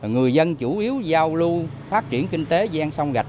người dân chủ yếu giao lưu phát triển kinh tế gian sông gạch